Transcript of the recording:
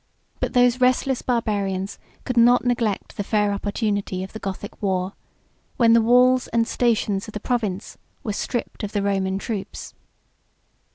94 But those restless Barbarians could not neglect the fair opportunity of the Gothic war, when the walls and stations of the province were stripped of the Roman troops.